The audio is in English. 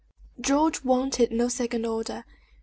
George wanted no second order.